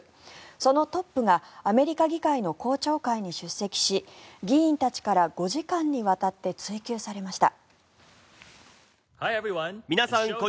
そのトップがアメリカ議会の公聴会に出席し議員たちから５時間にわたって追及されました。